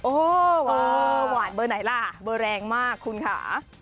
โอ้โหหวานเบอร์ไหนล่ะเบอร์แรงมากคุณค่ะ